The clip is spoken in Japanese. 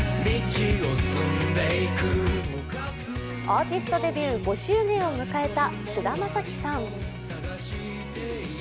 アーティストデビュー５周年を迎えた菅田将暉さん。